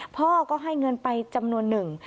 พ่อก็ให้เงินไปจำนวนหนึ่ง